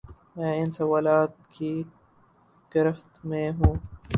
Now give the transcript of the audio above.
میں ان سوالات کی گرفت میں ہوں۔